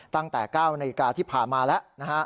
ตั้งแต่๙นาฬิกาที่ผ่านมาแล้วนะฮะ